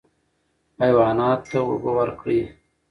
حیواناتو ته اوبه ورکړئ.